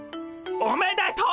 おめでとう！